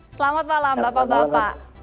selamat malam bapak bapak